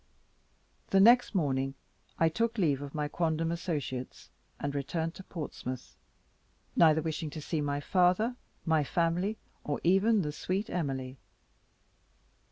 The next morning I took leave of my quondam associates, and returned to Portsmouth, neither wishing to see my father, my family, or even the sweet Emily.